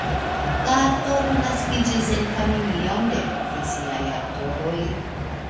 La aktoro naskiĝis en familion de profesiaj aktoroj.